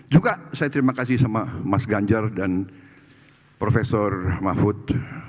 juga saya terima kasih sama mas ganjar dan prof mahfud